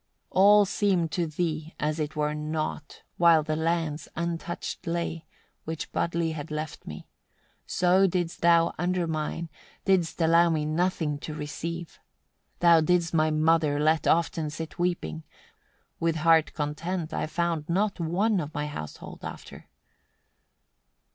95. All seemed to thee as it were naught, while the lands untouched lay, which Budli had left me. So didst thou undermine, dist allow me nothing to receive. Thou didst my mother let often sit weeping: with heart content I found not one of my household after.